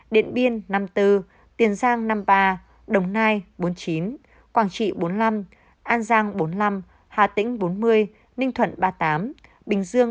điện biên năm mươi bốn tiền giang năm mươi ba đồng nai bốn mươi chín quảng trị bốn mươi năm an giang bốn mươi năm hà tĩnh bốn mươi ninh thuận ba mươi tám bình dương ba mươi bảy lâm an ba mươi năm lai châu ba mươi ba sóc trăng ba mươi ba bắc cạn hai mươi bảy cao bằng hai mươi sáu